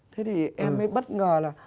thế thì em mới bất ngờ là